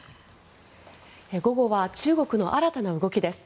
午後は中国の新たな動きです。